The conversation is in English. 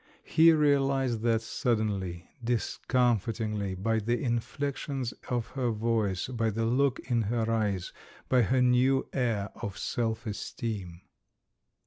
He realised that suddenly, discom fitingly, by the inflexions of her voice, by the look in her eyes, by her new air of self esteem.